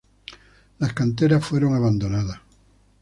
Las canteras fueron abandonadas.